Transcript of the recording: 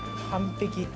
完璧。